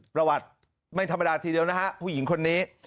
ประวัติไม่ธรรมดาทีเดียวนะฮะผู้หญิงคนนี้